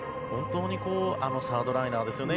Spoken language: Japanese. あのサードライナーですよね。